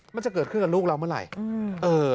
มันจะเกิดขึ้นกับลูกเราเมื่อไหร่